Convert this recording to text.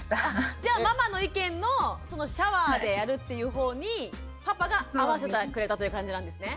じゃあママの意見のシャワーでやるっていうほうにパパが合わせてくれたという感じなんですね？